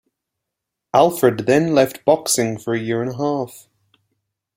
Alfred then left boxing for a year and a half.